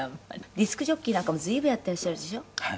ディスクジョッキーなんかも随分やってらっしゃるでしょ？